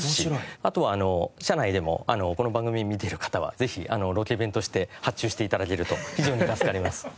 あとは社内でもこの番組見てる方はぜひロケ弁として発注して頂けると非常に助かります。